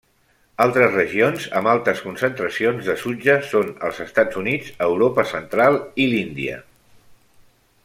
Altres regions amb altes concentracions de sutge són els Estats Units, Europa central i l'Índia.